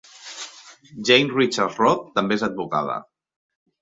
Jane Richards Roth també és advocada.